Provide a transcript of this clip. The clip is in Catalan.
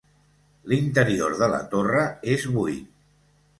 L'interior de la torre és buit.